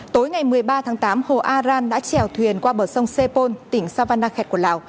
tối ngày một mươi ba tháng tám hồ a ran đã trèo thuyền qua bờ sông sepol tỉnh savannakhet của lào